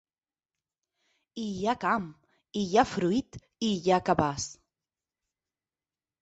I hi ha camp i hi ha fruit i hi ha cabàs.